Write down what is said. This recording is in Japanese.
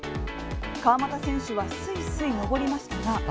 川又選手はすいすい登りましたが。